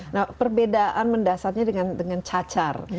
nah perbedaan mendasarnya dengan cacar